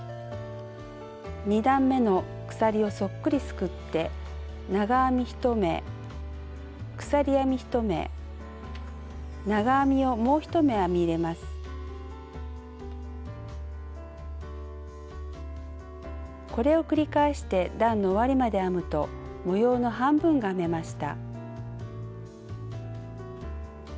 ２段めの鎖をそっくりすくってこれを繰り返して段の終わりまで編むと模様の半分が編めました。